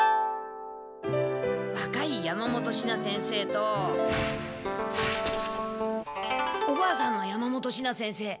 わかい山本シナ先生とおばあさんの山本シナ先生。